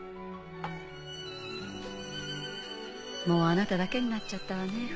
もうあなただけになっちゃったわね